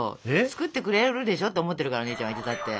作ってくれるでしょって思ってるからお姉ちゃんはいつだって。